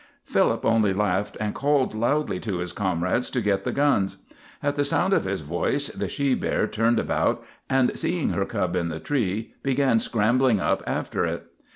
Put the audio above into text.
Philip only laughed and called loudly to his comrades to get the guns. At the sound of his voice the she bear turned about, and, seeing her cub in the tree, began scrambling up after it.